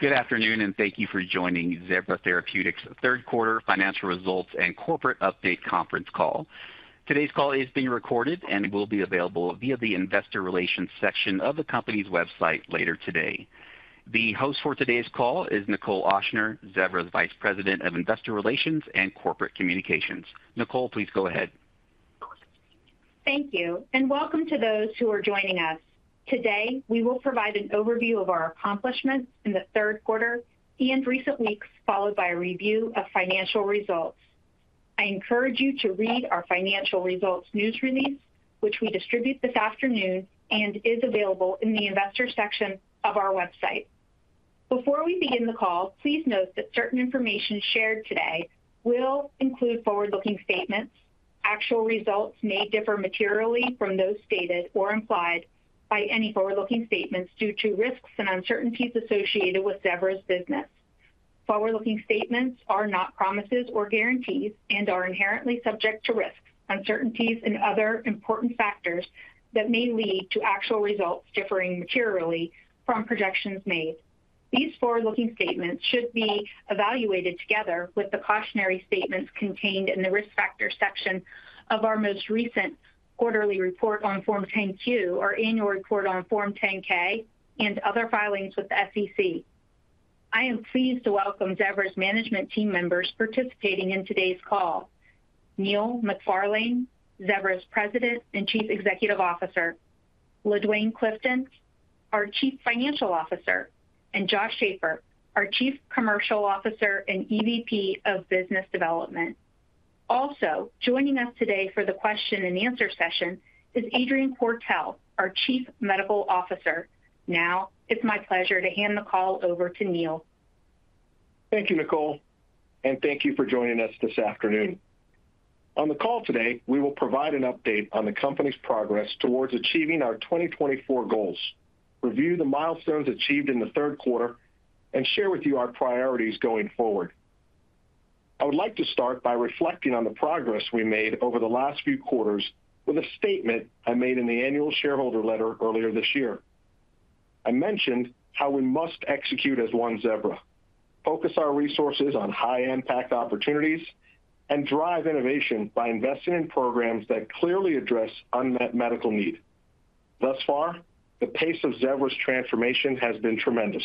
Good afternoon, and thank you for joining Zevra Therapeutics' third quarter financial results and corporate update conference call. Today's call is being recorded and will be available via the investor relations section of the company's website later today. The host for today's call is Nichol Ochsner, Zevra's Vice President of Investor Relations and Corporate Communications. Nichol, please go ahead. Thank you, and welcome to those who are joining us. Today, we will provide an overview of our accomplishments in the third quarter and recent weeks, followed by a review of financial results. I encourage you to read our financial results news release, which we distribute this afternoon and is available in the investor section of our website. Before we begin the call, please note that certain information shared today will include forward-looking statements. Actual results may differ materially from those stated or implied by any forward-looking statements due to risks and uncertainties associated with Zevra's business. Forward-looking statements are not promises or guarantees and are inherently subject to risks, uncertainties, and other important factors that may lead to actual results differing materially from projections made. These forward-looking statements should be evaluated together with the cautionary statements contained in the risk factor section of our most recent quarterly report on Form 10-Q, our annual report on Form 10-K, and other filings with the SEC. I am pleased to welcome Zevra's management team members participating in today's call: Neil McFarlane, Zevra's President and Chief Executive Officer, LaDuane Clifton, our Chief Financial Officer, and Josh Schafer, our Chief Commercial Officer and EVP of Business Development. Also, joining us today for the question-and-answer session is Adrian Quartel, our Chief Medical Officer. Now, it's my pleasure to hand the call over to Neil. Thank you, Nichol, and thank you for joining us this afternoon. On the call today, we will provide an update on the company's progress towards achieving our 2024 goals, review the milestones achieved in the third quarter, and share with you our priorities going forward. I would like to start by reflecting on the progress we made over the last few quarters with a statement I made in the annual shareholder letter earlier this year. I mentioned how we must execute as one Zevra, focus our resources on high-impact opportunities, and drive innovation by investing in programs that clearly address unmet medical need. Thus far, the pace of Zevra's transformation has been tremendous,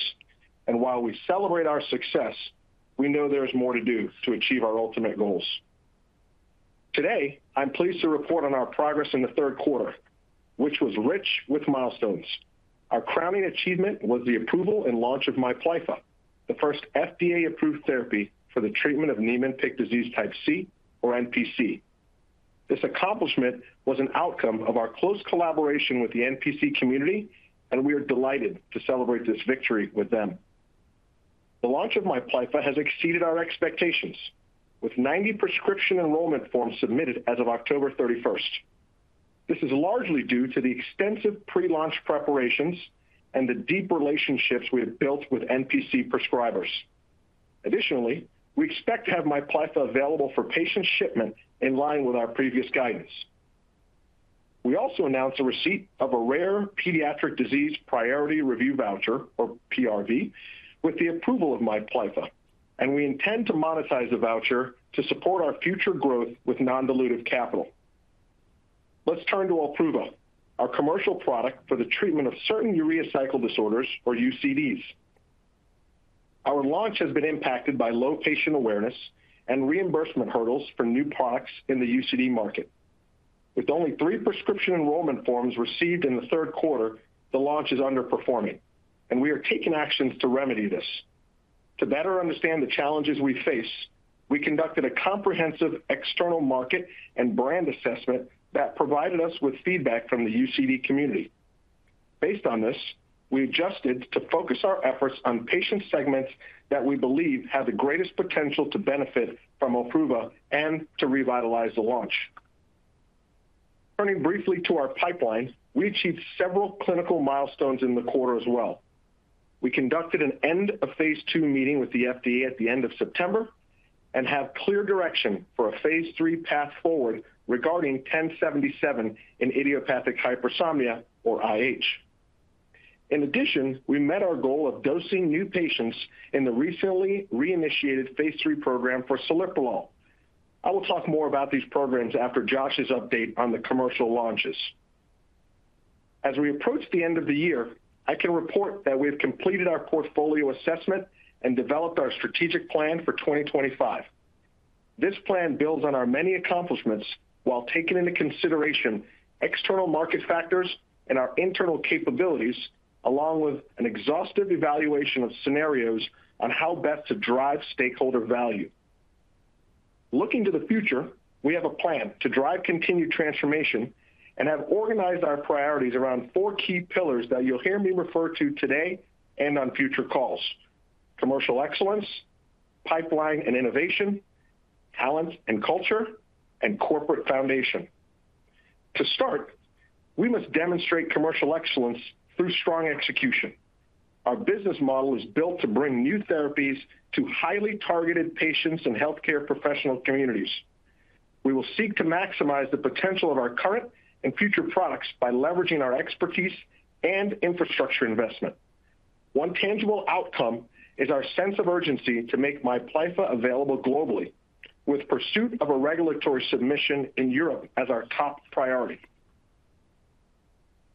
and while we celebrate our success, we know there is more to do to achieve our ultimate goals. Today, I'm pleased to report on our progress in the third quarter, which was rich with milestones. Our crowning achievement was the approval and launch of Miplyffa, the first FDA-approved therapy for the treatment of Niemann-Pick disease type C, or NPC. This accomplishment was an outcome of our close collaboration with the NPC community, and we are delighted to celebrate this victory with them. The launch of Miplyffa has exceeded our expectations, with 90 prescription enrollment forms submitted as of October 31st. This is largely due to the extensive pre-launch preparations and the deep relationships we have built with NPC prescribers. Additionally, we expect to have Miplyffa available for patient shipment in line with our previous guidance. We also announced a receipt of a rare pediatric disease priority review voucher, or PRV, with the approval of Miplyffa, and we intend to monetize the voucher to support our future growth with non-dilutive capital. Let's turn to Olpruva, our commercial product for the treatment of certain urea cycle disorders, or UCDs. Our launch has been impacted by low patient awareness and reimbursement hurdles for new products in the UCD market. With only three prescription enrollment forms received in the third quarter, the launch is underperforming, and we are taking actions to remedy this. To better understand the challenges we face, we conducted a comprehensive external market and brand assessment that provided us with feedback from the UCD community. Based on this, we adjusted to focus our efforts on patient segments that we believe have the greatest potential to benefit from Olpruva and to revitalize the launch. Turning briefly to our pipeline, we achieved several clinical milestones in the quarter as well. We conducted an end-of-phase II meeting with the FDA at the end of September and have clear direction for a phase III path forward regarding 1077 in idiopathic hypersomnia, or IH. In addition, we met our goal of dosing new patients in the recently reinitiated phase III program for celiprolol. I will talk more about these programs after Josh's update on the commercial launches. As we approach the end of the year, I can report that we have completed our portfolio assessment and developed our strategic plan for 2025. This plan builds on our many accomplishments while taking into consideration external market factors and our internal capabilities, along with an exhaustive evaluation of scenarios on how best to drive stakeholder value. Looking to the future, we have a plan to drive continued transformation and have organized our priorities around four key pillars that you'll hear me refer to today and on future calls: commercial excellence, pipeline and innovation, talent and culture, and corporate foundation. To start, we must demonstrate commercial excellence through strong execution. Our business model is built to bring new therapies to highly targeted patients and healthcare professional communities. We will seek to maximize the potential of our current and future products by leveraging our expertise and infrastructure investment. One tangible outcome is our sense of urgency to make Miplyffa available globally, with pursuit of a regulatory submission in Europe as our top priority.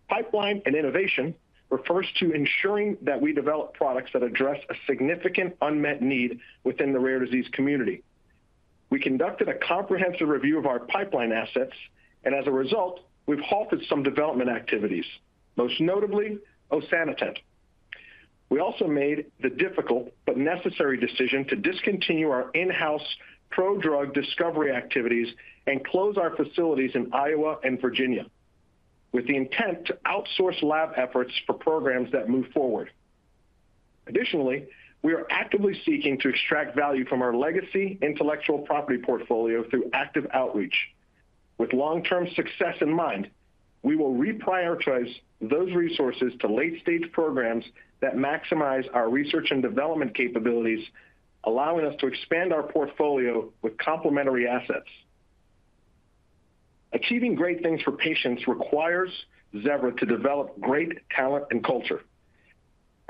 Pipeline and innovation refers to ensuring that we develop products that address a significant unmet need within the rare disease community. We conducted a comprehensive review of our pipeline assets, and as a result, we've halted some development activities, most notably osanetant. We also made the difficult but necessary decision to discontinue our in-house prodrug discovery activities and close our facilities in Iowa and Virginia, with the intent to outsource lab efforts for programs that move forward. Additionally, we are actively seeking to extract value from our legacy intellectual property portfolio through active outreach. With long-term success in mind, we will reprioritize those resources to late-stage programs that maximize our research and development capabilities, allowing us to expand our portfolio with complementary assets. Achieving great things for patients requires Zevra to develop great talent and culture.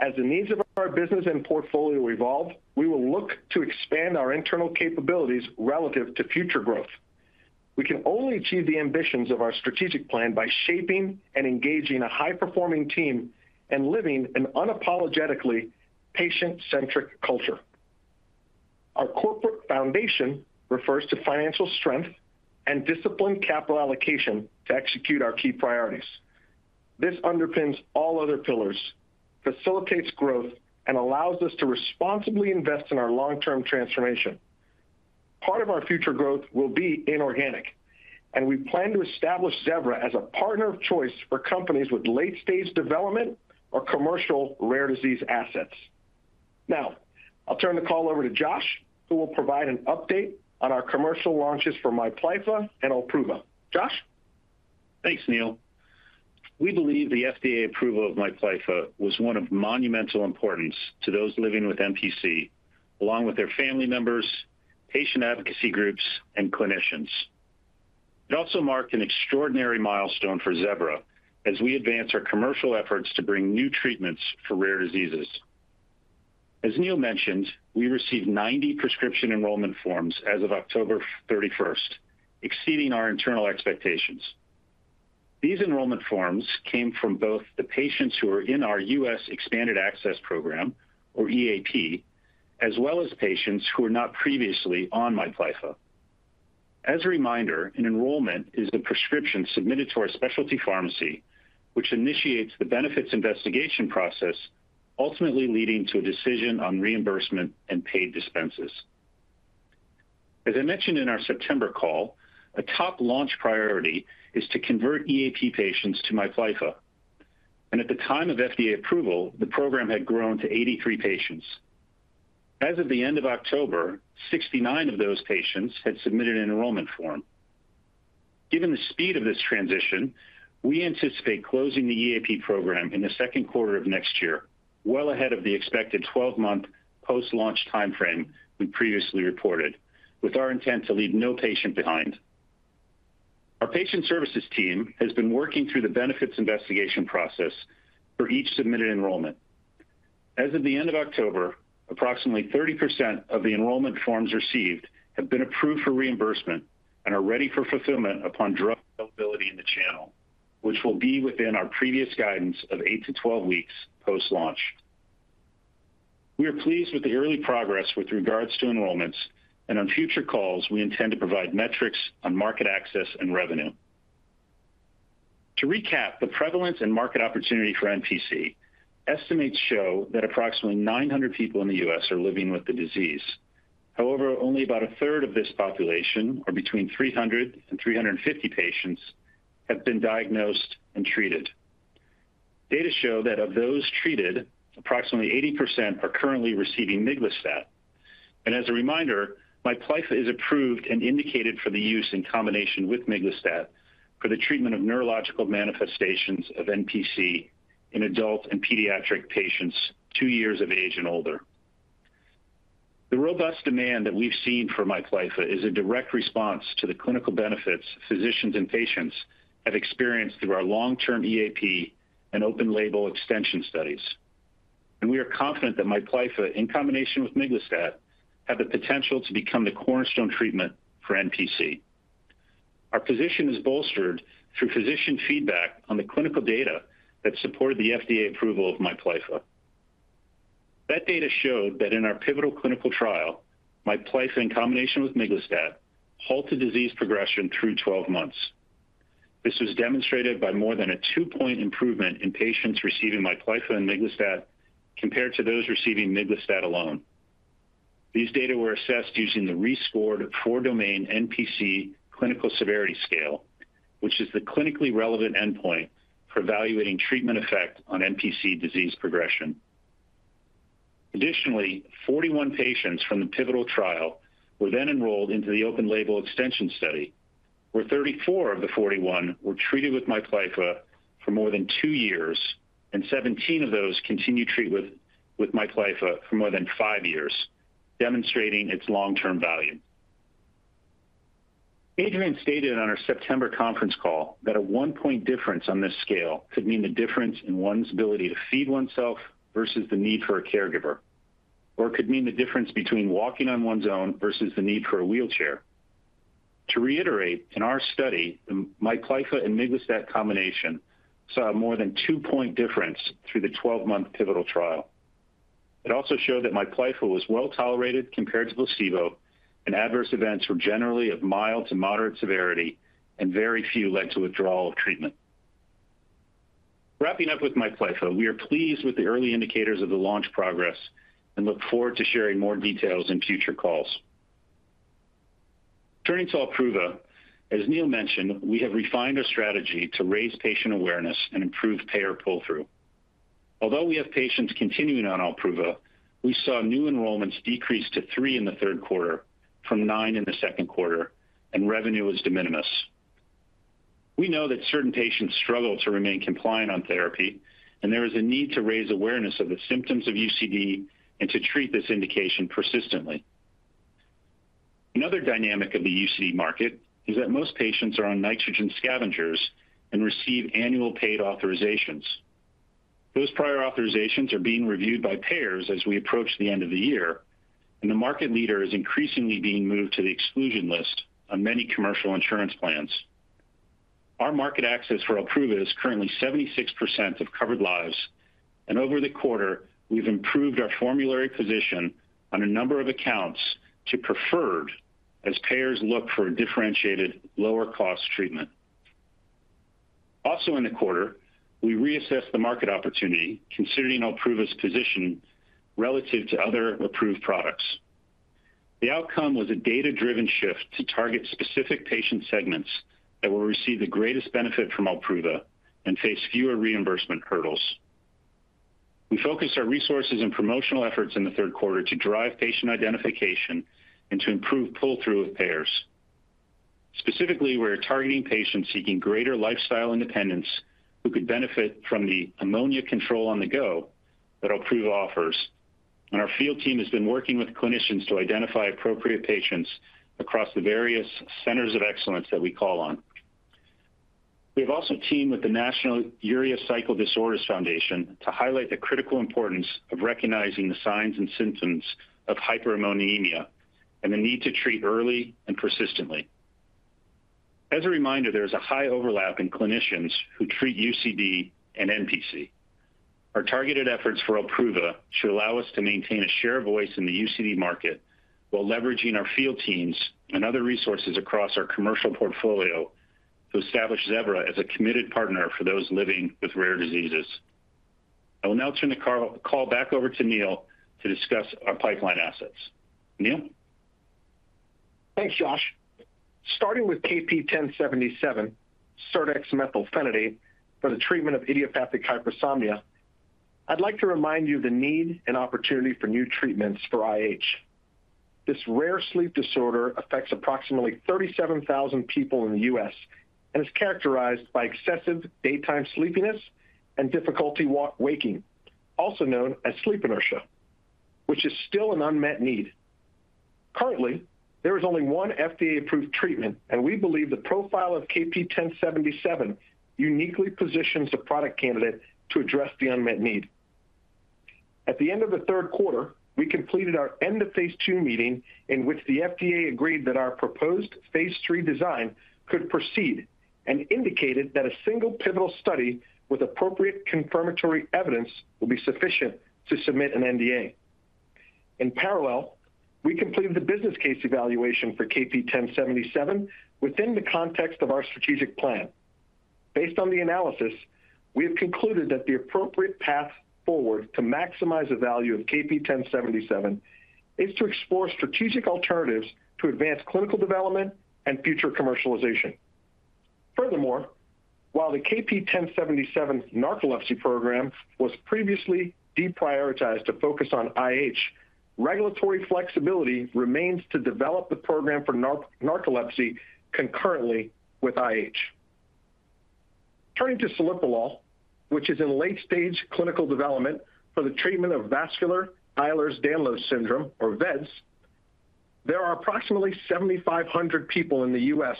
As the needs of our business and portfolio evolve, we will look to expand our internal capabilities relative to future growth. We can only achieve the ambitions of our strategic plan by shaping and engaging a high-performing team and living an unapologetically patient-centric culture. Our corporate foundation refers to financial strength and disciplined capital allocation to execute our key priorities. This underpins all other pillars, facilitates growth, and allows us to responsibly invest in our long-term transformation. Part of our future growth will be inorganic, and we plan to establish Zevra as a partner of choice for companies with late-stage development or commercial rare disease assets. Now, I'll turn the call over to Josh, who will provide an update on our commercial launches for Miplyffa and Olpruva. Josh? Thanks, Neil. We believe the FDA approval of Miplyffa was one of monumental importance to those living with NPC, along with their family members, patient advocacy groups, and clinicians. It also marked an extraordinary milestone for Zevra as we advance our commercial efforts to bring new treatments for rare diseases. As Neil mentioned, we received 90 prescription enrollment forms as of October 31st, exceeding our internal expectations. These enrollment forms came from both the patients who are in our U.S. Expanded Access Program, or EAP, as well as patients who were not previously on Miplyffa. As a reminder, an enrollment is a prescription submitted to our specialty pharmacy, which initiates the benefits investigation process, ultimately leading to a decision on reimbursement and paid dispenses. As I mentioned in our September call, a top launch priority is to convert EAP patients to Miplyffa, and at the time of FDA approval, the program had grown to 83 patients. As of the end of October, 69 of those patients had submitted an enrollment form. Given the speed of this transition, we anticipate closing the EAP program in the second quarter of next year, well ahead of the expected 12-month post-launch timeframe we previously reported, with our intent to leave no patient behind. Our patient services team has been working through the benefits investigation process for each submitted enrollment. As of the end of October, approximately 30% of the enrollment forms received have been approved for reimbursement and are ready for fulfillment upon drug availability in the channel, which will be within our previous guidance of 8-12 weeks post-launch. We are pleased with the early progress with regards to enrollments, and on future calls, we intend to provide metrics on market access and revenue. To recap, the prevalence and market opportunity for NPC estimates show that approximately 900 people in the U.S. are living with the disease. However, only about a third of this population, or between 300 and 350 patients, have been diagnosed and treated. Data show that of those treated, approximately 80% are currently receiving miglustat. And as a reminder, Miplyffa is approved and indicated for the use in combination with miglustat for the treatment of neurological manifestations of NPC in adult and pediatric patients two years of age and older. The robust demand that we've seen for Miplyffa is a direct response to the clinical benefits physicians and patients have experienced through our long-term EAP and open-label extension studies. We are confident that Miplyffa, in combination with miglustat, have the potential to become the cornerstone treatment for NPC. Our position is bolstered through physician feedback on the clinical data that supported the FDA approval of Miplyffa. That data showed that in our pivotal clinical trial, Miplyffa, in combination with miglustat, halted disease progression through 12 months. This was demonstrated by more than a 2-point improvement in patients receiving Miplyffa and miglustat compared to those receiving miglustat alone. These data were assessed using the rescored 4-Domain NPC Clinical Severity Scale, which is the clinically relevant endpoint for evaluating treatment effect on NPC disease progression. Additionally, 41 patients from the pivotal trial were then enrolled into the open-label extension study, where 34 of the 41 were treated with Miplyffa for more than two years, and 17 of those continued treatment with Miplyffa for more than five years, demonstrating its long-term value. Adrian stated on our September conference call that a one-point difference on this scale could mean the difference in one's ability to feed oneself versus the need for a caregiver, or it could mean the difference between walking on one's own versus the need for a wheelchair. To reiterate, in our study, the Miplyffa and miglustat combination saw a more than two-point difference through the 12-month pivotal trial. It also showed that Miplyffa was well tolerated compared to placebo, and adverse events were generally of mild to moderate severity, and very few led to withdrawal of treatment. Wrapping up with Miplyffa, we are pleased with the early indicators of the launch progress and look forward to sharing more details in future calls. Turning to Olpruva, as Neil mentioned, we have refined our strategy to raise patient awareness and improve payer pull-through. Although we have patients continuing on Olpruva, we saw new enrollments decrease to three in the third quarter from nine in the second quarter, and revenue was de minimis. We know that certain patients struggle to remain compliant on therapy, and there is a need to raise awareness of the symptoms of UCD and to treat this indication persistently. Another dynamic of the UCD market is that most patients are on nitrogen scavengers and receive annual paid authorizations. Those prior authorizations are being reviewed by payers as we approach the end of the year, and the market leader is increasingly being moved to the exclusion list on many commercial insurance plans. Our market access for Olpruva is currently 76% of covered lives, and over the quarter, we've improved our formulary position on a number of accounts to preferred as payers look for differentiated, lower-cost treatment. Also, in the quarter, we reassessed the market opportunity, considering Olpruva's position relative to other approved products. The outcome was a data-driven shift to target specific patient segments that will receive the greatest benefit from Olpruva and face fewer reimbursement hurdles. We focused our resources and promotional efforts in the third quarter to drive patient identification and to improve pull-through with payers. Specifically, we're targeting patients seeking greater lifestyle independence who could benefit from the ammonia control on the go that Olpruva offers, and our field team has been working with clinicians to identify appropriate patients across the various centers of excellence that we call on. We have also teamed with the National Urea Cycle Disorders Foundation to highlight the critical importance of recognizing the signs and symptoms of hyperammonemia and the need to treat early and persistently. As a reminder, there is a high overlap in clinicians who treat UCD and NPC. Our targeted efforts for Olpruva should allow us to maintain a share of voice in the UCD market while leveraging our field teams and other resources across our commercial portfolio to establish Zevra as a committed partner for those living with rare diseases. I will now turn the call back over to Neil to discuss our pipeline assets. Neil? Thanks, Josh. Starting with KP1077, serdexmethylphenidate, for the treatment of idiopathic hypersomnia, I'd like to remind you of the need and opportunity for new treatments for IH. This rare sleep disorder affects approximately 37,000 people in the U.S. and is characterized by excessive daytime sleepiness and difficulty waking, also known as sleep inertia, which is still an unmet need. Currently, there is only one FDA-approved treatment, and we believe the profile of KP1077 uniquely positions the product candidate to address the unmet need. At the end of the third quarter, we completed our end-of-phase II meeting in which the FDA agreed that our proposed phase III design could proceed and indicated that a single pivotal study with appropriate confirmatory evidence will be sufficient to submit an NDA. In parallel, we completed the business case evaluation for KP1077 within the context of our strategic plan. Based on the analysis, we have concluded that the appropriate path forward to maximize the value of KP1077 is to explore strategic alternatives to advance clinical development and future commercialization. Furthermore, while the KP1077 narcolepsy program was previously deprioritized to focus on IH, regulatory flexibility remains to develop the program for narcolepsy concurrently with IH. Turning to celiprolol, which is in late-stage clinical development for the treatment of vascular Ehlers-Danlos syndrome, or VEDS, there are approximately 7,500 people in the U.S.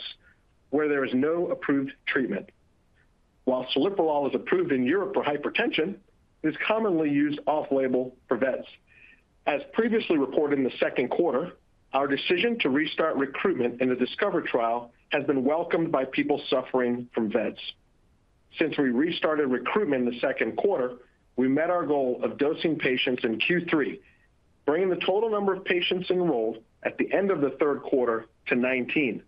where there is no approved treatment. While celiprolol is approved in Europe for hypertension, it is commonly used off-label for VEDS. As previously reported in the second quarter, our decision to restart recruitment in the DiSCOVER Trial has been welcomed by people suffering from VEDS. Since we restarted recruitment in the second quarter, we met our goal of dosing patients in Q3, bringing the total number of patients enrolled at the end of the third quarter to 19.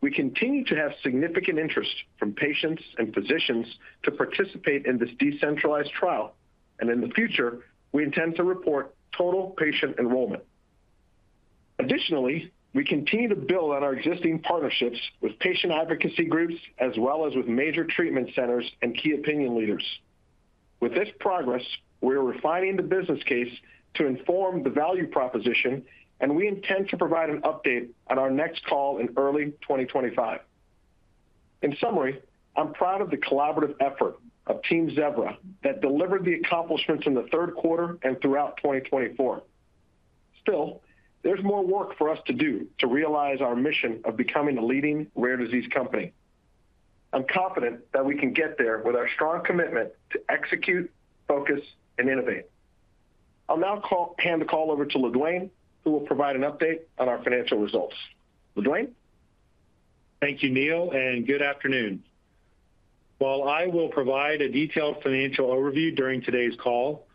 We continue to have significant interest from patients and physicians to participate in this decentralized trial, and in the future, we intend to report total patient enrollment. Additionally, we continue to build on our existing partnerships with patient advocacy groups as well as with major treatment centers and key opinion leaders. With this progress, we're refining the business case to inform the value proposition, and we intend to provide an update at our next call in early 2025. In summary, I'm proud of the collaborative effort of Team Zevra that delivered the accomplishments in the third quarter and throughout 2024. Still, there's more work for us to do to realize our mission of becoming a leading rare disease company. I'm confident that we can get there with our strong commitment to execute, focus, and innovate. I'll now hand the call over to LaDuane, who will provide an update on our financial results. LaDuane? Thank you, Neil, and good afternoon. While I will provide a detailed financial overview during today's call,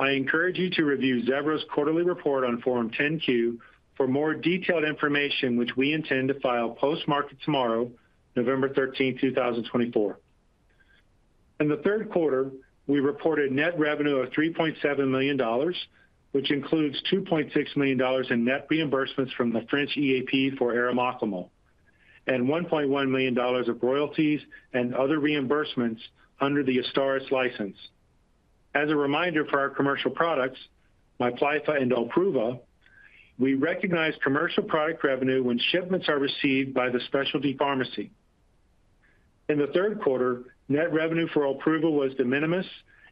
I encourage you to review Zevra's quarterly report on Form 10-Q for more detailed information, which we intend to file post-market tomorrow, November 13th, 2024. In the third quarter, we reported net revenue of $3.7 million, which includes $2.6 million in net reimbursements from the French EAP for arimoclomol, and $1.1 million of royalties and other reimbursements under the Azstarys license. As a reminder for our commercial products, Miplyffa and Olpruva, we recognize commercial product revenue when shipments are received by the specialty pharmacy. In the third quarter, net revenue for Olpruva was de minimis,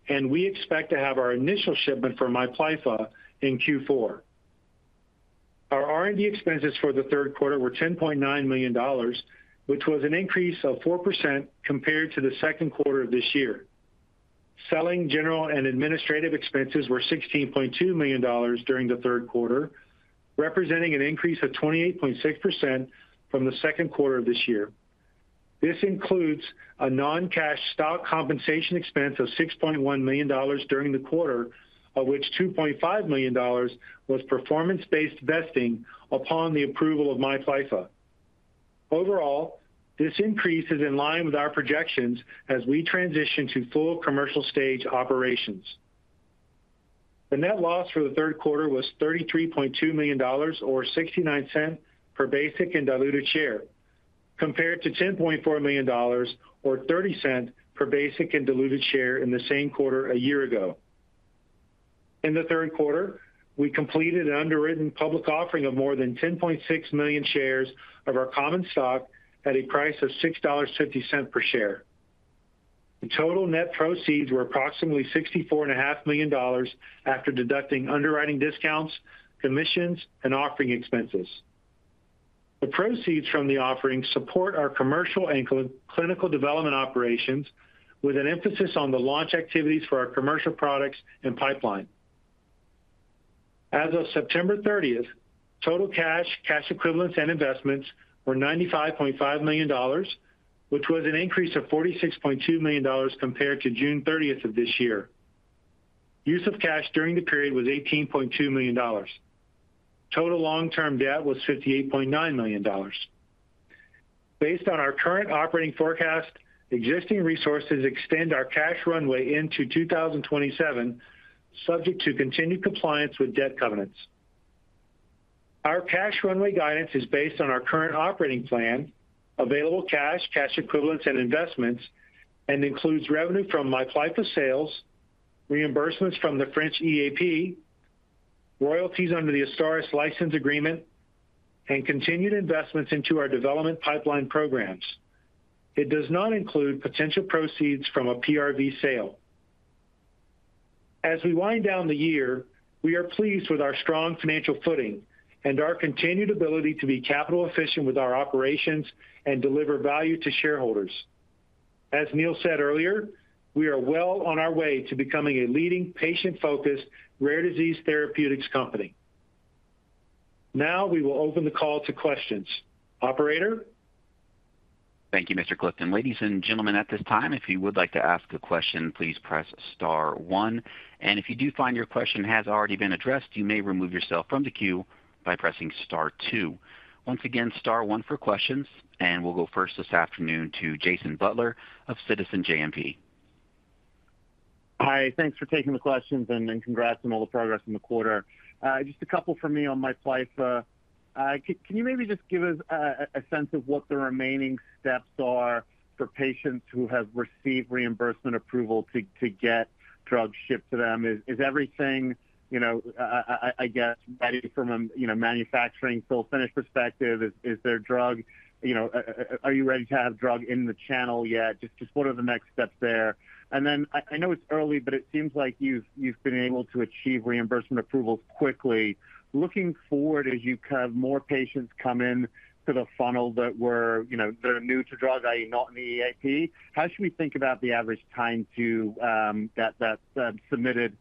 and we expect to have our initial shipment for Miplyffa in Q4. Our R&D expenses for the third quarter were $10.9 million, which was an increase of 4% compared to the second quarter of this year. Selling general and administrative expenses were $16.2 million during the third quarter, representing an increase of 28.6% from the second quarter of this year. This includes a non-cash stock compensation expense of $6.1 million during the quarter, of which $2.5 million was performance-based vesting upon the approval of Miplyffa. Overall, this increase is in line with our projections as we transition to full commercial stage operations. The net loss for the third quarter was $33.2 million, or $0.69 per basic and diluted share, compared to $10.4 million, or $0.30 per basic and diluted share in the same quarter a year ago. In the third quarter, we completed an underwritten public offering of more than 10.6 million shares of our common stock at a price of $6.50 per share. The total net proceeds were approximately $64.5 million after deducting underwriting discounts, commissions, and offering expenses. The proceeds from the offering support our commercial and clinical development operations, with an emphasis on the launch activities for our commercial products and pipeline. As of September 30th, total cash, cash equivalents, and investments were $95.5 million, which was an increase of $46.2 million compared to June 30th of this year. Use of cash during the period was $18.2 million. Total long-term debt was $58.9 million. Based on our current operating forecast, existing resources extend our cash runway into 2027, subject to continued compliance with debt covenants. Our cash runway guidance is based on our current operating plan, available cash, cash equivalents, and investments, and includes revenue from Miplyffa sales, reimbursements from the French EAP, royalties under the Azstarys license agreement, and continued investments into our development pipeline programs. It does not include potential proceeds from a PRV sale. As we wind down the year, we are pleased with our strong financial footing and our continued ability to be capital-efficient with our operations and deliver value to shareholders. As Neil said earlier, we are well on our way to becoming a leading, patient-focused rare disease therapeutics company. Now, we will open the call to questions. Operator? Thank you, Mr. Clifton. Ladies and gentlemen, at this time, if you would like to ask a question, please press star one. And if you do find your question has already been addressed, you may remove yourself from the queue by pressing star two. Once again, star one for questions. And we'll go first this afternoon to Jason Butler of Citizens JMP. Hi, thanks for taking the questions and congrats on all the progress in the quarter. Just a couple for me on Miplyffa. Can you maybe just give us a sense of what the remaining steps are for patients who have received reimbursement approval to get drugs shipped to them? Is everything, I guess, ready from a manufacturing full-finished perspective? Is there drug? Are you ready to have drug in the channel yet? Just what are the next steps there? And then I know it's early, but it seems like you've been able to achieve reimbursement approvals quickly. Looking forward, as you have more patients come into the funnel that are new to drug, i.e., not in the EAP, how should we think about the average time to that submitted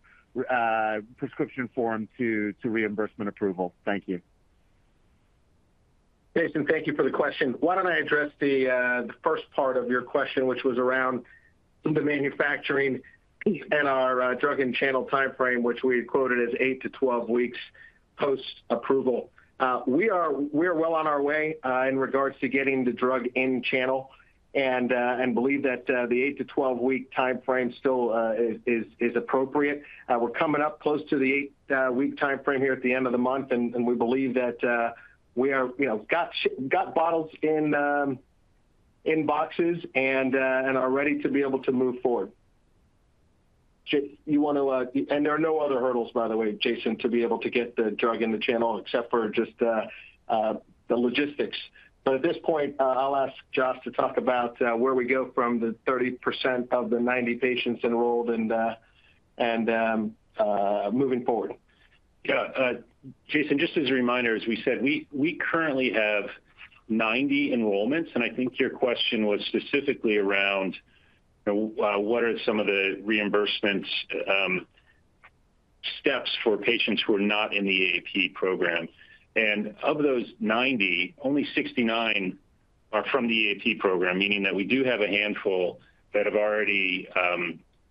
prescription form to reimbursement approval? Thank you. Jason, thank you for the question. Why don't I address the first part of your question, which was around the manufacturing and our drug in-channel timeframe, which we quoted as eight to 12 weeks post-approval. We are well on our way in regards to getting the drug in-channel and believe that the eight to 12-week timeframe still is appropriate. We're coming up close to the eight-week timeframe here at the end of the month, and we believe that we got bottles in boxes and are ready to be able to move forward. And there are no other hurdles, by the way, Jason, to be able to get the drug in the channel except for just the logistics. But at this point, I'll ask Josh to talk about where we go from the 30% of the 90 patients enrolled and moving forward. Yeah. Jason, just as a reminder, as we said, we currently have 90 enrollments, and I think your question was specifically around what are some of the reimbursement steps for patients who are not in the EAP program. And of those 90, only 69 are from the EAP program, meaning that we do have a handful that have already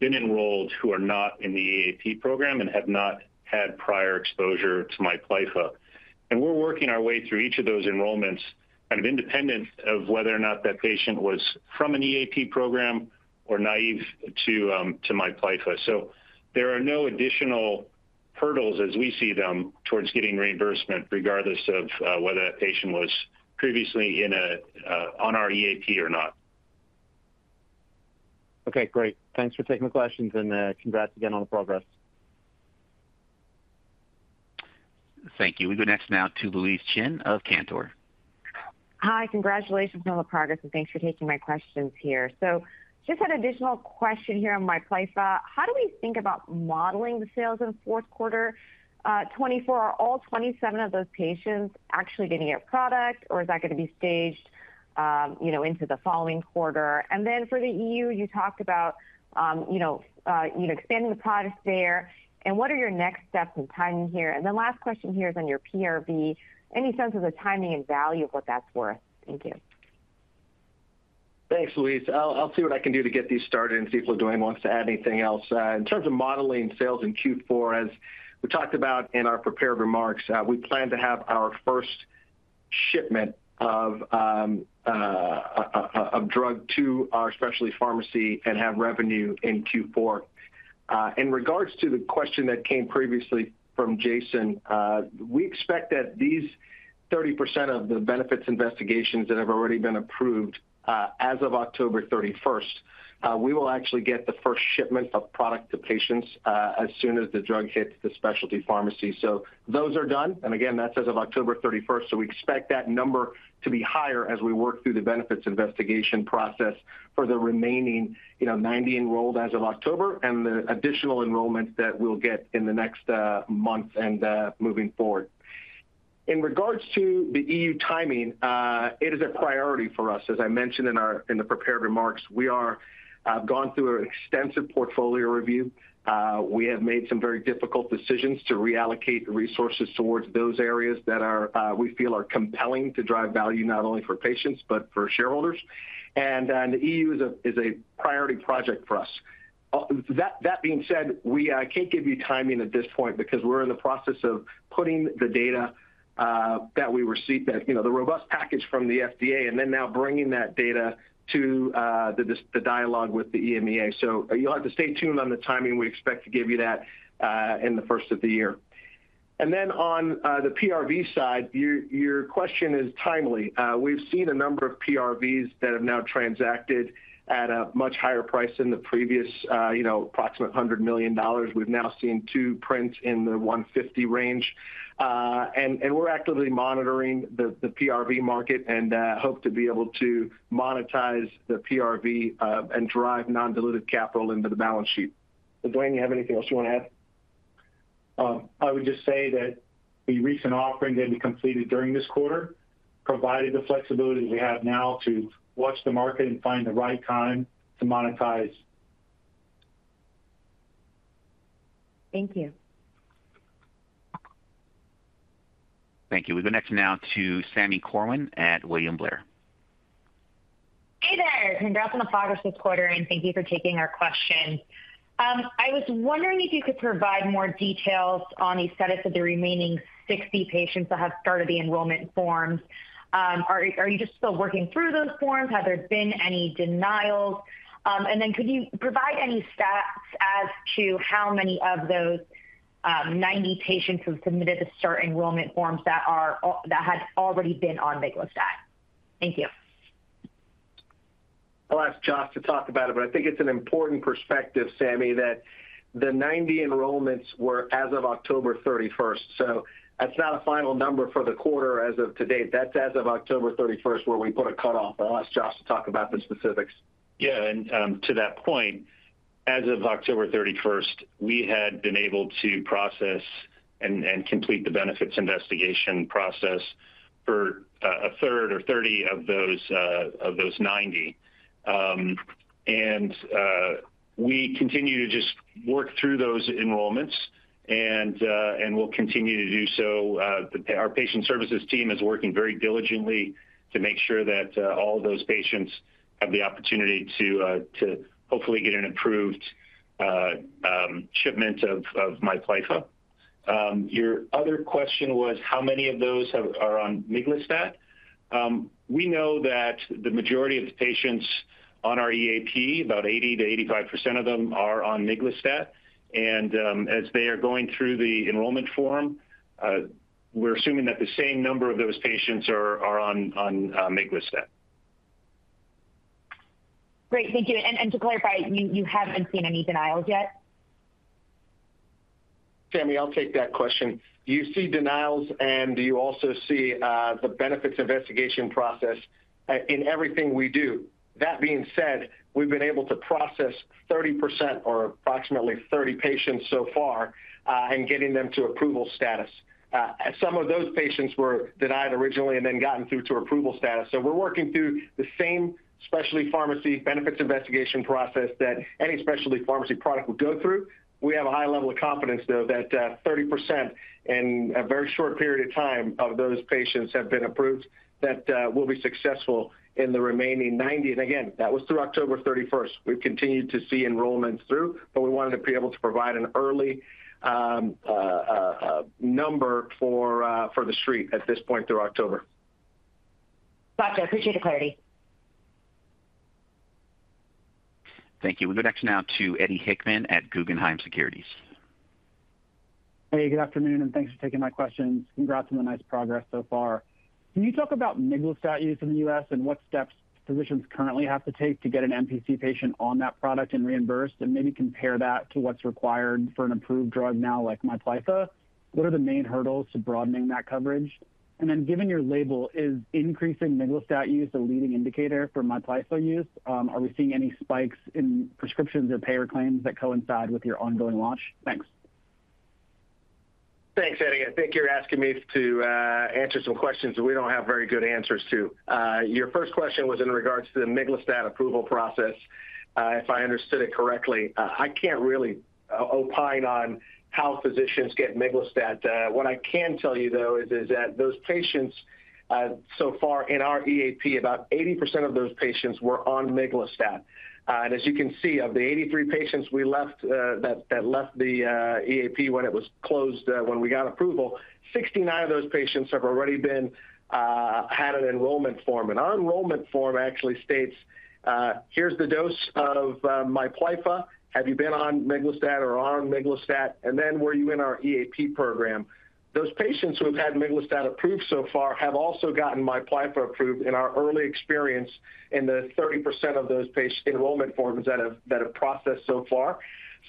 been enrolled who are not in the EAP program and have not had prior exposure to Miplyffa. And we're working our way through each of those enrollments kind of independent of whether or not that patient was from an EAP program or naive to Miplyffa. So there are no additional hurdles as we see them towards getting reimbursement, regardless of whether that patient was previously on our EAP or not. Okay, great. Thanks for taking the questions and congrats again on the progress. Thank you. We go next now to Louise Chen of Cantor. Hi, congratulations on the progress, and thanks for taking my questions here. So just an additional question here on Miplyffa. How do we think about modeling the sales in the fourth quarter 2024? Are all 27 of those patients actually going to get product, or is that going to be staged into the following quarter? And then for the EU, you talked about expanding the product there. And what are your next steps in timing here? And the last question here is on your PRV. Any sense of the timing and value of what that's worth? Thank you. Thanks, Louise. I'll see what I can do to get these started and see if LaDuane wants to add anything else. In terms of modeling sales in Q4, as we talked about in our prepared remarks, we plan to have our first shipment of drug to our specialty pharmacy and have revenue in Q4. In regards to the question that came previously from Jason, we expect that these 30% of the benefits investigations that have already been approved as of October 31st, we will actually get the first shipment of product to patients as soon as the drug hits the specialty pharmacy. So those are done. And again, that's as of October 31st. So we expect that number to be higher as we work through the benefits investigation process for the remaining 90 enrolled as of October and the additional enrollments that we'll get in the next month and moving forward. In regards to the EU timing, it is a priority for us. As I mentioned in the prepared remarks, we have gone through an extensive portfolio review. We have made some very difficult decisions to reallocate resources towards those areas that we feel are compelling to drive value not only for patients, but for shareholders. And the EU is a priority project for us. That being said, we can't give you timing at this point because we're in the process of putting the data that we received, the robust package from the FDA, and then now bringing that data to the dialogue with the EMEA. You'll have to stay tuned on the timing. We expect to give you that in the first of the year. And then on the PRV side, your question is timely. We've seen a number of PRVs that have now transacted at a much higher price than the previous approximate $100 million. We've now seen two prints in the $150 range. And we're actively monitoring the PRV market and hope to be able to monetize the PRV and drive non-dilutive capital into the balance sheet. LaDuane, do you have anything else you want to add? I would just say that the recent offering that we completed during this quarter provided the flexibility we have now to watch the market and find the right time to monetize. Thank you. Thank you. We go next now to Sami Corwin at William Blair. Hey there. Congrats on the progress this quarter, and thank you for taking our questions. I was wondering if you could provide more details on the status of the remaining 60 patients that have started the enrollment forms. Are you just still working through those forms? Have there been any denials? And then could you provide any stats as to how many of those 90 patients who submitted the start enrollment forms that had already been on miglustat? Thank you. I'll ask Josh to talk about it, but I think it's an important perspective, Sami, that the 90 enrollments were as of October 31st. So that's not a final number for the quarter as of today. That's as of October 31st where we put a cutoff. I'll ask Josh to talk about the specifics. Yeah. And to that point, as of October 31st, we had been able to process and complete the benefits investigation process for a third or 30 of those 90. And we continue to just work through those enrollments, and we'll continue to do so. Our patient services team is working very diligently to make sure that all those patients have the opportunity to hopefully get an approved shipment of Miplyffa. Your other question was how many of those are on miglustat? We know that the majority of the patients on our EAP, about 80%-85% of them, are on miglustat. And as they are going through the enrollment form, we're assuming that the same number of those patients are on miglustat. Great. Thank you. And to clarify, you haven't seen any denials yet? Sammy, I'll take that question. Do you see denials, and do you also see the benefits investigation process in everything we do? That being said, we've been able to process 30% or approximately 30 patients so far and getting them to approval status. Some of those patients were denied originally and then gotten through to approval status. So we're working through the same specialty pharmacy benefits investigation process that any specialty pharmacy product would go through. We have a high level of confidence, though, that 30% in a very short period of time of those patients have been approved that will be successful in the remaining 90. And again, that was through October 31st. We've continued to see enrollments through, but we wanted to be able to provide an early number for the street at this point through October. Gotcha. Appreciate the clarity. Thank you. We go next now to Eddie Hickman at Guggenheim Securities. Hey, good afternoon, and thanks for taking my questions. Congrats on the nice progress so far. Can you talk about miglustat use in the U.S. and what steps physicians currently have to take to get an NPC patient on that product and reimbursed and maybe compare that to what's required for an approved drug now like Miplyffa? What are the main hurdles to broadening that coverage? And then given your label, is increasing miglustat use a leading indicator for Miplyffa use? Are we seeing any spikes in prescriptions or payer claims that coincide with your ongoing launch? Thanks. Thanks, Eddie. I think you're asking me to answer some questions that we don't have very good answers to. Your first question was in regards to the miglustat approval process, if I understood it correctly. I can't really opine on how physicians get miglustat. What I can tell you, though, is that those patients so far in our EAP, about 80% of those patients were on miglustat. And as you can see, of the 83 patients that left the EAP when it was closed, when we got approval, 69 of those patients have already had an enrollment form. And our enrollment form actually states, "Here's the dose of Miplyffa. Have you been on miglustat or on miglustat? And then were you in our EAP program?" Those patients who have had miglustat approved so far have also gotten Miplyffa approved in our early experience in the 30% of those enrollment forms that have processed so far.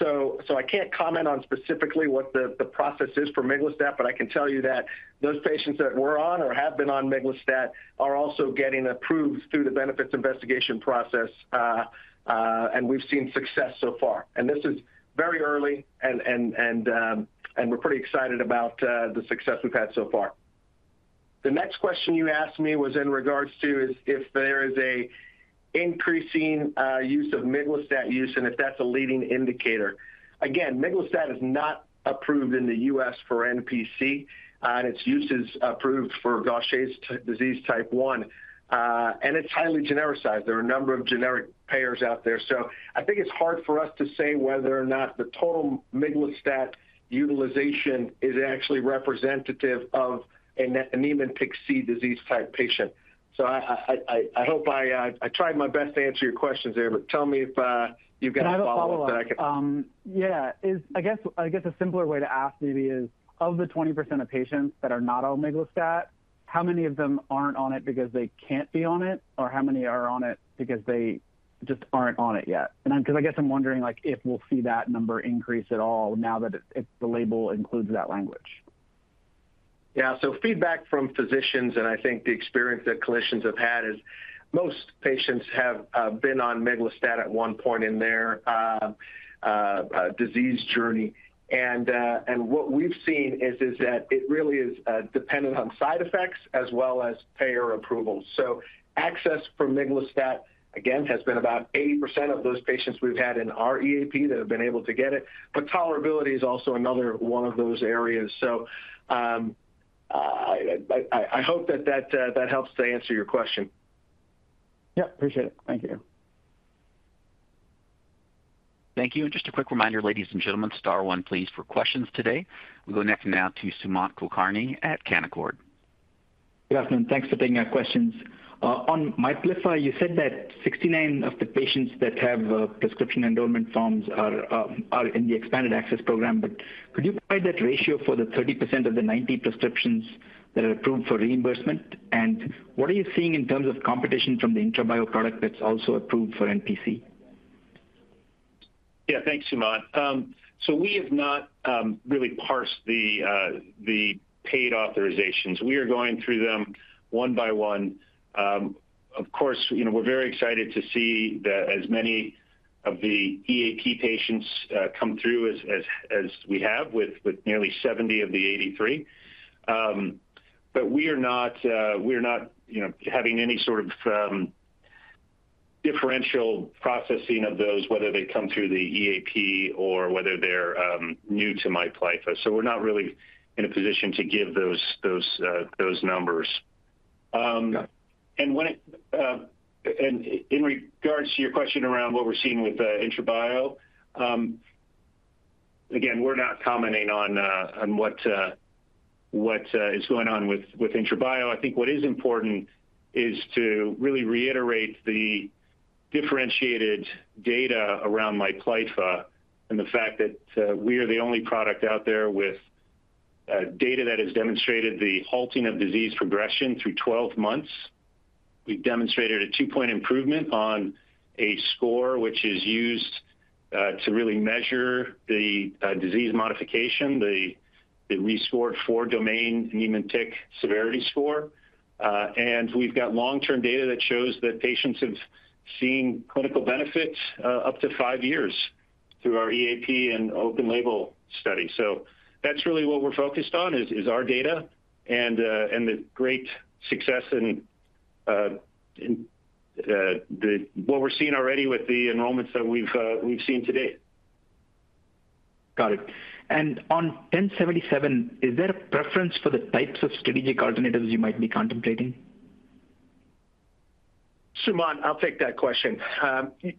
I can't comment on specifically what the process is for miglustat, but I can tell you that those patients that were on or have been on miglustat are also getting approved through the benefits investigation process, and we've seen success so far. This is very early, and we're pretty excited about the success we've had so far. The next question you asked me was in regards to if there is an increasing use of miglustat use and if that's a leading indicator. Again, miglustat is not approved in the U.S. for NPC, and its use is approved for Gaucher disease type 1, and it's highly genericized. There are a number of generic payers out there. So I think it's hard for us to say whether or not the total miglustat utilization is actually representative of an NPC disease type patient. So I hope I tried my best to answer your questions there, but tell me if you've got a follow-up that I can ask. Yeah. I guess a simpler way to ask maybe is, of the 20% of patients that are not on miglustat, how many of them aren't on it because they can't be on it, or how many are on it because they just aren't on it yet? Because I guess I'm wondering if we'll see that number increase at all now that the label includes that language. Yeah, so feedback from physicians, and I think the experience that clinicians have had is most patients have been on miglustat at one point in their disease journey, and what we've seen is that it really is dependent on side effects as well as payer approval, so access for miglustat, again, has been about 80% of those patients we've had in our EAP that have been able to get it, but tolerability is also another one of those areas, so I hope that that helps to answer your question. Yep. Appreciate it. Thank you. Thank you. And just a quick reminder, ladies and gentlemen, star one please for questions today. We go next now to Sumant Kulkarni at Canaccord. Good afternoon. Thanks for taking our questions. On Miplyffa, you said that 69 of the patients that have prescription enrollment forms are in the expanded access program, but could you provide that ratio for the 30% of the 90 prescriptions that are approved for reimbursement, and what are you seeing in terms of competition from the IntraBio product that's also approved for NPC? Yeah. Thanks, Sumant, so we have not really parsed the paid authorizations. We are going through them one by one. Of course, we're very excited to see that as many of the EAP patients come through as we have with nearly 70 of the 83, but we are not having any sort of differential processing of those, whether they come through the EAP or whether they're new to Miplyffa, so we're not really in a position to give those numbers, and in regards to your question around what we're seeing with IntraBio, again, we're not commenting on what is going on with IntraBio. I think what is important is to really reiterate the differentiated data around Miplyffa and the fact that we are the only product out there with data that has demonstrated the halting of disease progression through 12 months. We've demonstrated a two-point improvement on a score which is used to really measure the disease modification, the 4-Domain NPC Clinical Severity Scale. And we've got long-term data that shows that patients have seen clinical benefits up to five years through our EAP and open label study. So that's really what we're focused on is our data and the great success in what we're seeing already with the enrollments that we've seen to date. Got it. And on 1077, is there a preference for the types of strategic alternatives you might be contemplating? Sumant, I'll take that question.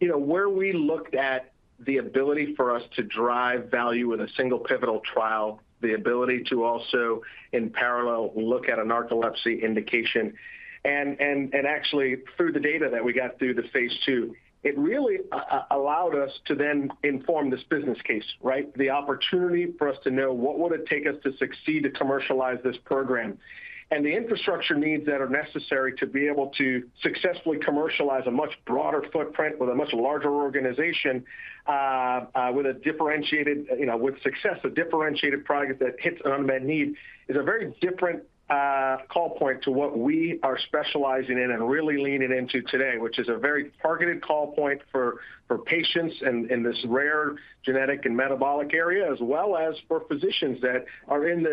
Where we looked at the ability for us to drive value with a single pivotal trial, the ability to also in parallel look at an narcolepsy indication, and actually through the data that we got through the phase II, it really allowed us to then inform this business case, right? The opportunity for us to know what would it take us to succeed to commercialize this program and the infrastructure needs that are necessary to be able to successfully commercialize a much broader footprint with a much larger organization with a differentiated, with success, a differentiated product that hits an unmet need is a very different call point to what we are specializing in and really leaning into today, which is a very targeted call point for patients in this rare genetic and metabolic area, as well as for physicians that are in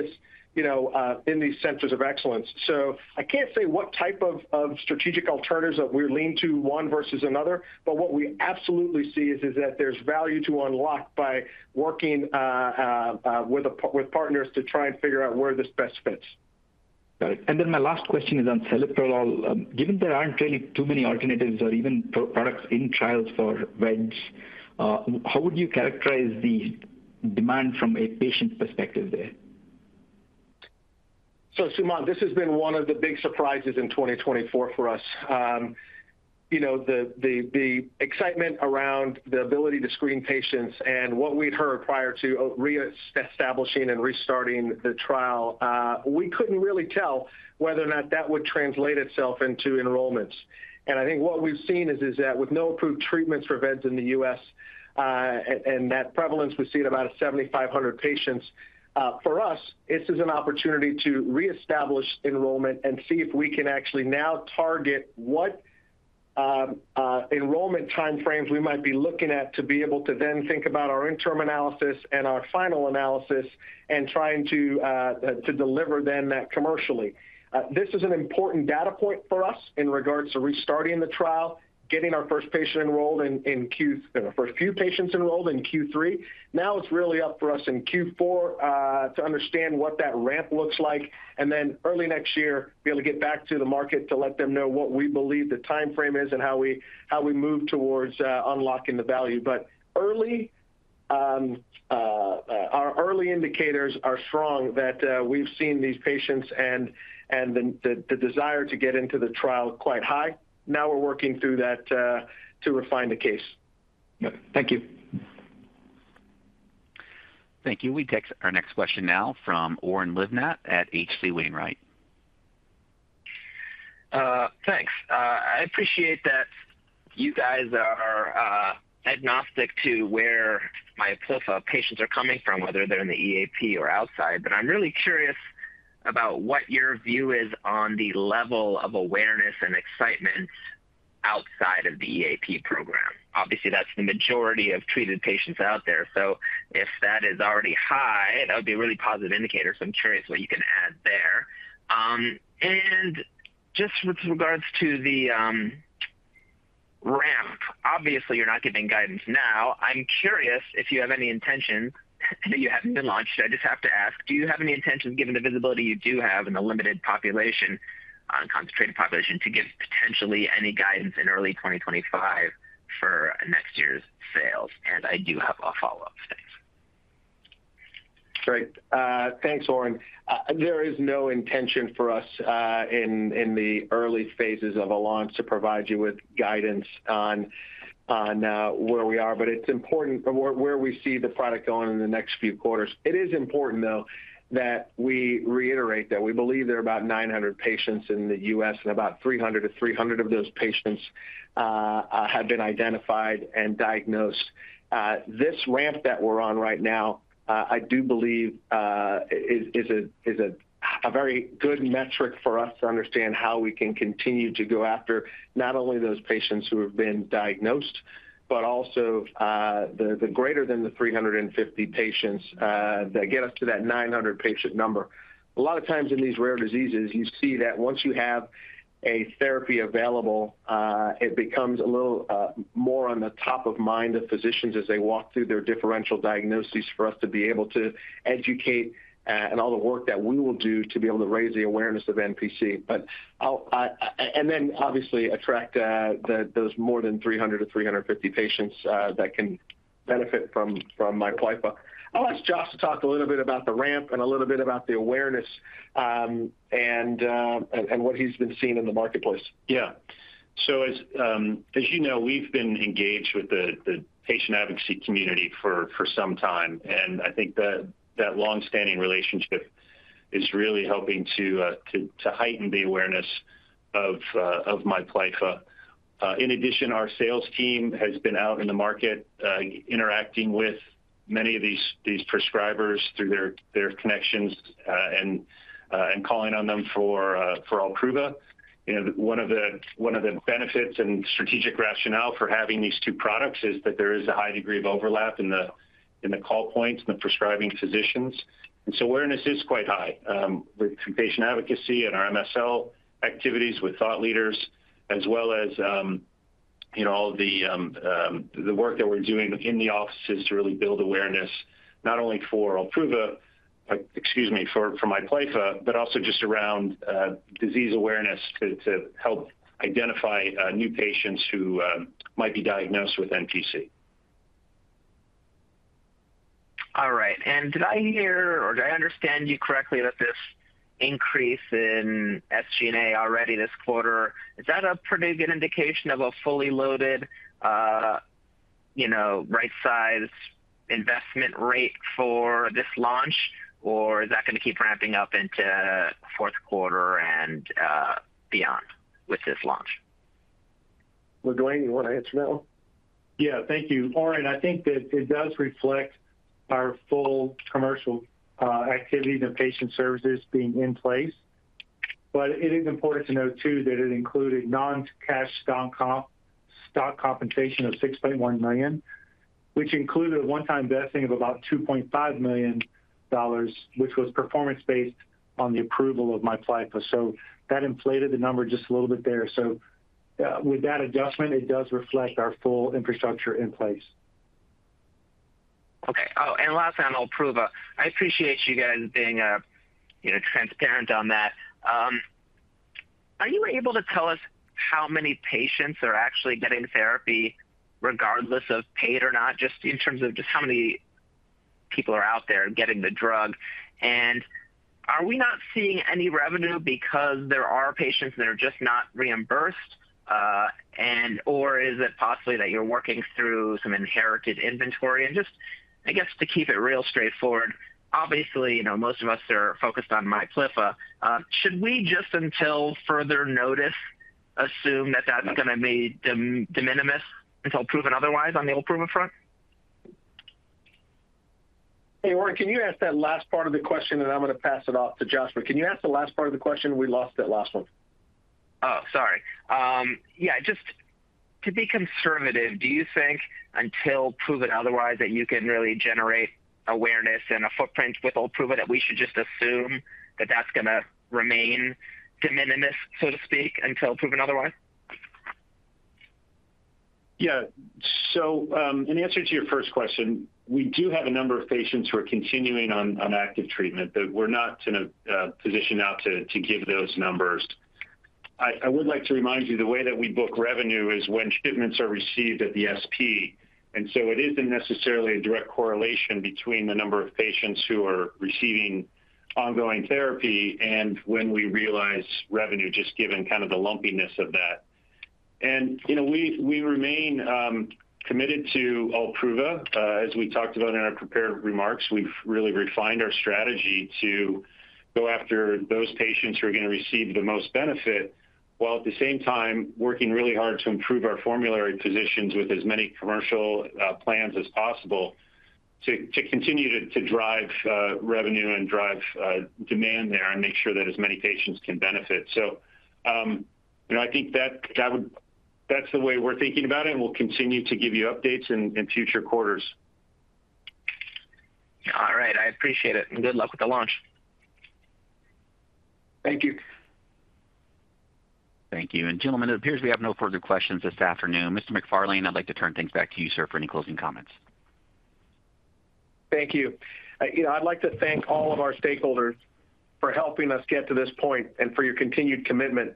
these centers of excellence. So I can't say what type of strategic alternatives that we're leaning to one versus another, but what we absolutely see is that there's value to unlock by working with partners to try and figure out where this best fits. Got it. And then my last question is on celiprolol. Given there aren't really too many alternatives or even products in trials for VEDS, how would you characterize the demand from a patient perspective there? So Sumant, this has been one of the big surprises in 2024 for us. The excitement around the ability to screen patients and what we'd heard prior to reestablishing and restarting the trial, we couldn't really tell whether or not that would translate itself into enrollments. And I think what we've seen is that with no approved treatments for VEDS in the U.S. and that prevalence we see at about 7,500 patients, for us, this is an opportunity to reestablish enrollment and see if we can actually now target what enrollment time frames we might be looking at to be able to then think about our interim analysis and our final analysis and trying to deliver then that commercially. This is an important data point for us in regards to restarting the trial, getting our first patient enrolled in Q, or first few patients enrolled in Q3. Now it's really up for us in Q4 to understand what that ramp looks like, and then early next year, be able to get back to the market to let them know what we believe the time frame is and how we move towards unlocking the value. But our early indicators are strong that we've seen these patients and the desire to get into the trial quite high. Now we're working through that to refine the case. Thank you. Thank you. We take our next question now from Oren Livnat at H.C. Wainwright. Thanks. I appreciate that you guys are agnostic to where Miplyffa patients are coming from, whether they're in the EAP or outside, but I'm really curious about what your view is on the level of awareness and excitement outside of the EAP program. Obviously, that's the majority of treated patients out there. So if that is already high, that would be a really positive indicator. So I'm curious what you can add there. And just with regards to the ramp, obviously, you're not giving guidance now. I'm curious if you have any intentions now that you have launched. I just have to ask, do you have any intentions given the visibility you do have in the limited population, concentrated population, to give potentially any guidance in early 2025 for next year's sales? And I do have a follow-up. Thanks. Great. Thanks, Oren. There is no intention for us in the early phases of a launch to provide you with guidance on where we are, but it's important where we see the product going in the next few quarters. It is important, though, that we reiterate that we believe there are about 900 patients in the U.S. and about 300-300 of those patients have been identified and diagnosed. This ramp that we're on right now, I do believe, is a very good metric for us to understand how we can continue to go after not only those patients who have been diagnosed, but also the greater than the 350 patients that get us to that 900 patient number. A lot of times in these rare diseases, you see that once you have a therapy available, it becomes a little more on the top of mind of physicians as they walk through their differential diagnoses for us to be able to educate and all the work that we will do to be able to raise the awareness of NPC, and then obviously attract those more than 300-350 patients that can benefit from Miplyffa. I'll ask Josh to talk a little bit about the ramp and a little bit about the awareness and what he's been seeing in the marketplace. Yeah. So as you know, we've been engaged with the patient advocacy community for some time, and I think that long-standing relationship is really helping to heighten the awareness of Miplyffa. In addition, our sales team has been out in the market interacting with many of these prescribers through their connections and calling on them for Olpruva. One of the benefits and strategic rationale for having these two products is that there is a high degree of overlap in the call points and the prescribing physicians. And so awareness is quite high with patient advocacy and our MSL activities with thought leaders, as well as all the work that we're doing in the offices to really build awareness not only for Olpruva, excuse me, for Miplyffa, but also just around disease awareness to help identify new patients who might be diagnosed with NPC. All right. And did I hear or did I understand you correctly that this increase in SG&A already this quarter, is that a pretty good indication of a fully loaded right-sized investment rate for this launch, or is that going to keep ramping up into fourth quarter and beyond with this launch? Well, LaDuane, you want to answer that one? Yeah. Thank you. All right. I think that it does reflect our full commercial activities and patient services being in place, but it is important to note too that it included non-cash stock compensation of $6.1 million, which included a one-time vesting of about $2.5 million, which was performance-based on the approval of Miplyffa, so that inflated the number just a little bit there, so with that adjustment, it does reflect our full infrastructure in place. Okay. Oh, and lastly, on Olpruva, I appreciate you guys being transparent on that. Are you able to tell us how many patients are actually getting therapy regardless of paid or not, just in terms of just how many people are out there getting the drug? And are we not seeing any revenue because there are patients that are just not reimbursed? And/or is it possibly that you're working through some inherited inventory? And just, I guess, to keep it real straightforward, obviously, most of us are focused on Miplyffa. Should we just until further notice assume that that's going to be de minimis until proven otherwise on the Olpruva front? Hey, Oren, can you ask that last part of the question? And I'm going to pass it off to Joshua. Can you ask the last part of the question? We lost that last one. Oh, sorry. Yeah. Just to be conservative, do you think until proven otherwise that you can really generate awareness and a footprint with Olpruva, that we should just assume that that's going to remain de minimis, so to speak, until proven otherwise? Yeah. So in answer to your first question, we do have a number of patients who are continuing on active treatment, but we're not in a position now to give those numbers. I would like to remind you the way that we book revenue is when shipments are received at the SP. And so it isn't necessarily a direct correlation between the number of patients who are receiving ongoing therapy and when we realize revenue, just given kind of the lumpiness of that. And we remain committed to Olpruva, as we talked about in our prepared remarks. We've really refined our strategy to go after those patients who are going to receive the most benefit while at the same time working really hard to improve our formulary positions with as many commercial plans as possible to continue to drive revenue and drive demand there and make sure that as many patients can benefit. So I think that's the way we're thinking about it, and we'll continue to give you updates in future quarters. All right. I appreciate it. And good luck with the launch. Thank you. Thank you. And gentlemen, it appears we have no further questions this afternoon. Mr. McFarlane, I'd like to turn things back to you, sir, for any closing comments. Thank you. I'd like to thank all of our stakeholders for helping us get to this point and for your continued commitment.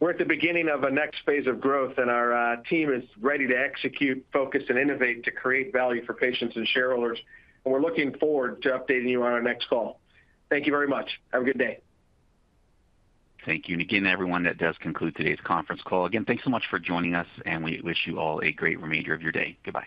We're at the beginning of a next phase of growth, and our team is ready to execute, focus, and innovate to create value for patients and shareholders. And we're looking forward to updating you on our next call. Thank you very much. Have a good day. Thank you. And again, everyone, that does conclude today's conference call. Again, thanks so much for joining us, and we wish you all a great remainder of your day. Goodbye.